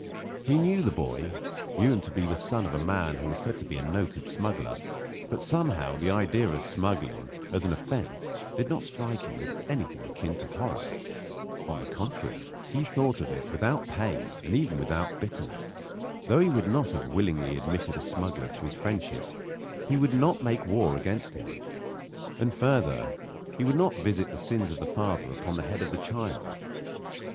He knew the boy knew him to be the son of a man who was said to be a noted smuggler; but, somehow, the idea of smuggling, as an offence, did not strike him with anything akin to horror. On the contrary, he thought of it without pain and even without bitterness. Though he would not have willingly admitted a smuggler to his friendship, he would not make war against him. And, further, he would not visit the sins of the father upon the head of the child.